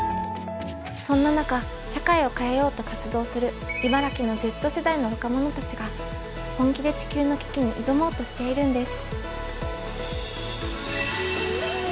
そんな中社会を変えようと活動する茨城のＺ世代の若者たちが本気で地球の危機に挑もうとしているんです。